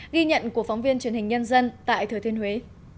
ghi nhận của phóng viên truyền hình nhân dân tại thừa thiên huế